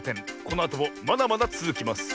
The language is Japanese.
このあともまだまだつづきます。